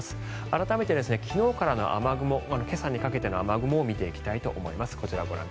改めて昨日から今朝にかけての雨雲を見ていきたいと思います。